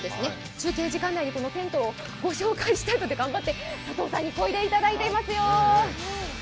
中継時間内にこのテントをご紹介したくて頑張って佐藤さんに漕いでいただいてますよ。